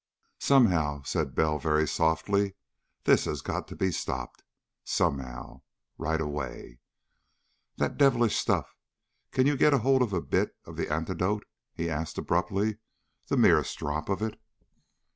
"Somehow," said Bell very softly, "this has got to be stopped. Somehow. Right away. That devilish stuff! Can you get hold of a bit of the antidote?" he asked abruptly. "The merest drop of it?"